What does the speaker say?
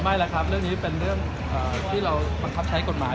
ไม่แล้วครับเรื่องนี้เป็นเรื่องที่เราบังคับใช้กฎหมาย